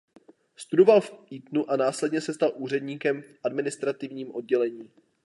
Studoval v Etonu a následně se stal úředníkem v administrativním oddělení.